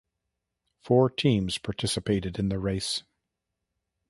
Four teams participated in the race.